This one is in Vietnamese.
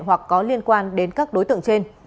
hoặc có liên quan đến các đối tượng trên